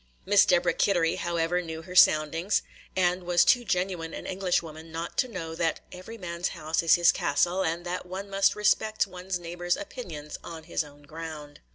Miss Deborah Kittery, however, knew her soundings, and was too genuine an Englishwoman not to know that "every man's house is his castle," and that one must respect one's neighbor's opinions on his own ground.